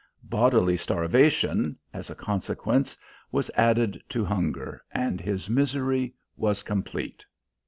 Bodily starvation, as a consequence, was added to hunger, and his misery was complete.